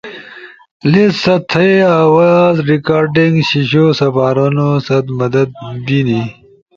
لیس ست تھئی آواز ریکارڈنگ شیِشو سپارونو ست مدد بی نی